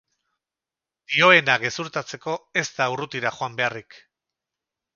Dioena gezurtatzeko, ez da urrutira joan beharrik.